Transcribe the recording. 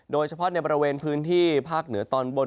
โดยเฉพาะในบริเวณพื้นที่ภาคเหนือตอนบน